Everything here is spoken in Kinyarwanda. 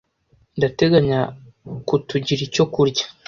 Ndateganya kutugira icyo kurya.